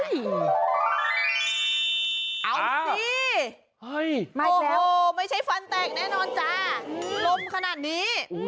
เอาสิโอ้โหไม่ใช่ฟันแตกแน่นอนจ้าลมขนาดนี้